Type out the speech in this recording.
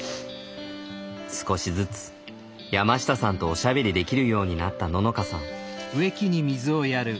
少しずつ山下さんとおしゃべりできるようになったののかさん。